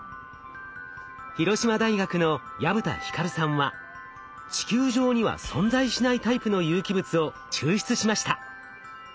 広島大学の薮田ひかるさんは地球上には存在しないタイプの有機物を抽出しました。